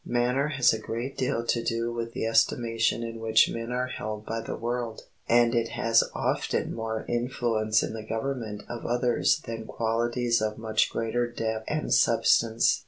Manner has a great deal to do with the estimation in which men are held by the world; and it has often more influence in the government of others than qualities of much greater depth and substance.